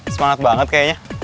semangat banget kayaknya